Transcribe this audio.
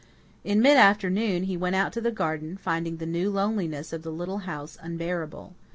In mid afternoon he went out to the garden, finding the new loneliness of the little house unbearable.